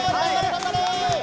頑張れ！